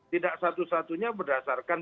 tidak satu satunya berdasarkan